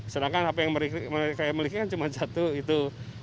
sedangkan hp yang mereka miliki cuma satu